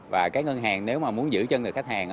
và các ngân hàng nếu mà muốn giữ chân được khách hàng